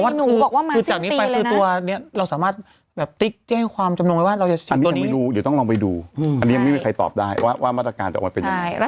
นี่จะไม่รู้จะต้องลองไปดูอันนี้ยังไม่มีใครตอบได้ว่ามาตรการจะมันเป็นยังไง